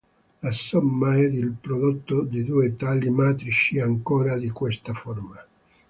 La somma ed il prodotto di due tali matrici è ancora di questa forma.